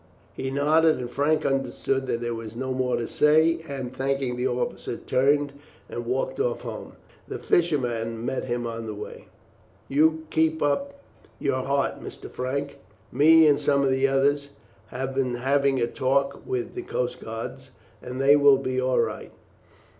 He nodded, and Frank understood that there was no more to say, and, thanking the officer, turned and walked off home. The fisherman met him on the way. "You keep up your heart, Mr. Frank. Me and some of the others have been having a talk with the coast guards, and they will be all right.